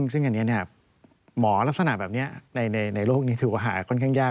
ซึ่งอันนี้หมอลักษณะแบบนี้ในโลกนี้ถือว่าหาค่อนข้างยาก